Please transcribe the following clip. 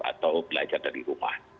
atau belajar dari rumah